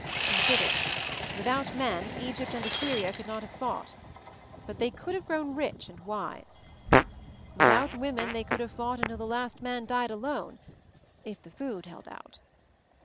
Consider — without men, Egypt and Assyria could not have fought — but they could have grown rich and wise. Without women — they could have fought until the last man died alone — if the food held out.